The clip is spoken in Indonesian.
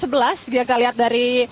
biar kalian lihat dari